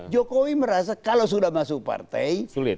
jokowi merasa kalau sudah masuk partai sulit